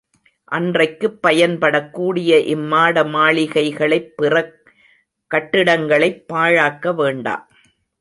அன்றைக்குப் பயன்படக்கூடிய இம்மாடமாளிகைகளைப் பிற கட்டிடங்களைப் பாழாக்க வேண்டா.